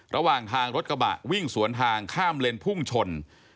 ระหว่างทางรถกระบะวิ่งสวนทางข้ามเลนพุ่งชน